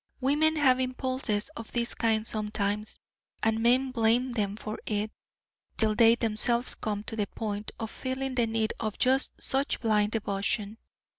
Women have impulses of this kind sometimes, and men blame them for it, till they themselves come to the point of feeling the need of just such blind devotion.